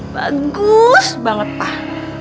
bagus banget pak